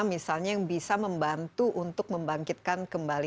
misalnya yang bisa membantu untuk membangkitkan kembali